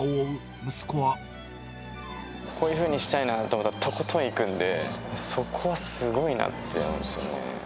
こういうふうにしたいなと思ったら、とことんいくんで、そこはすごいなって思うんですよ